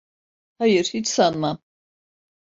Hayır, hiç sanmam.